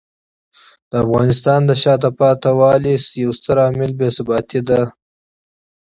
د افغانستان د شاته پاتې والي یو ستر عامل بې ثباتي دی.